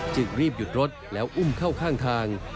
จึงรีบหยุดรถแล้วอุ้มเข้าข้างทาง